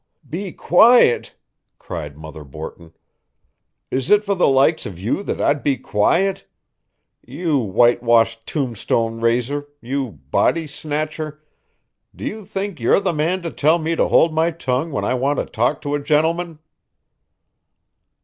"Be quiet?" cried Mother Borton. "Is it for the likes of you that I'd be quiet? You white washed tombstone raiser, you body snatcher, do you think you're the man to tell me to hold my tongue when I want to talk to a gentleman?"